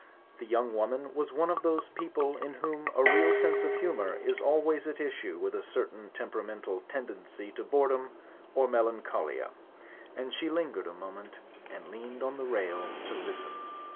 The young woman was one of thosd people in whom a real sense of humour is always at issiue with a certain temperamental tendency to boredom or melancholia ; and she lingered a moment, and leaned on the rail to listen.